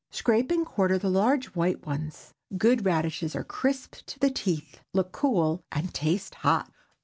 Scrape and quarter the large white ones. Good radishes are crisp to the teeth, look cool, and taste hot.